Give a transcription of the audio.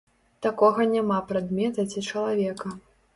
Такога няма прадмета ці чалавека.